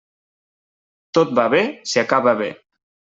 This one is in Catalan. Tot va bé si acaba bé.